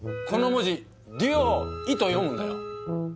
この文字「り」を「い」と読むんだよ。